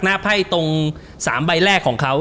ไพ่ตรง๓ใบแรกของเขา